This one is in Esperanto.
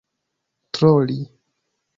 troli